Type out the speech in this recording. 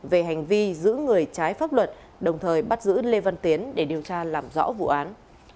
về hành vi giữ người trái pháp luật đồng thời bắt giữ lê văn tiến để điều tra làm rõ vụ án